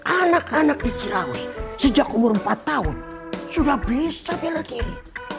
anak anak di cilawi sejak umur empat tahun sudah bisa bela kiri